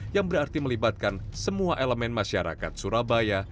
yang berarti melibatkan semua elemen masyarakat surabaya